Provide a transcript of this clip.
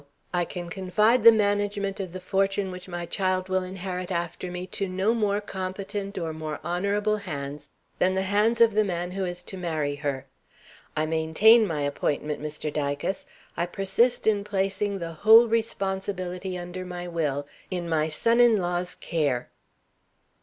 I can confide the management of the fortune which my child will inherit after me to no more competent or more honorable hands than the hands of the man who is to marry her. I maintain my appointment, Mr. Dicas! I persist in placing the whole responsibility under my Will in my son in law's care."